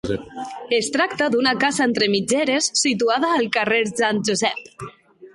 Es tracta d'una casa entre mitgeres situada al carrer Sant Josep.